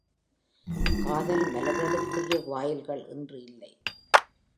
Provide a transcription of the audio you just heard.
காதல் மலர்வதற்குரிய வாயில்கள் இன்று இல்லை.